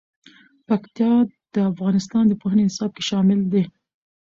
پکتیا د افغانستان د پوهنې نصاب کې شامل دي.